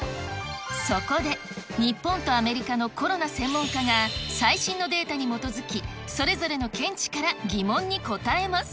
そこで、日本とアメリカのコロナ専門家が最新のデータに基づき、それぞれの見地から疑問に答えます。